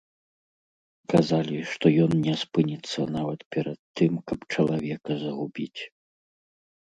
Казалі, што ён не спыніцца нават перад тым, каб чалавека загубіць.